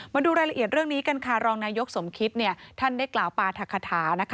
มาดูรายละเอียดเรื่องนี้กันค่ะรองนายกสมคิตท่านได้กล่าวปราธคาถา